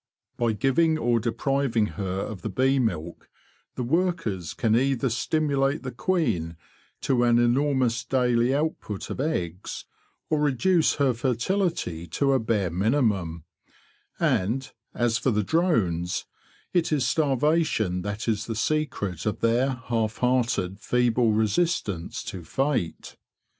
By giving or depriv ing her of the bee milk, the workers can either stim ulate the queen to an enormous daily output of eggs or reduce her fertility to a bare minimum; and, as for the drones, it is starvation that is the secret of their half hearted, feeble resistance to fate.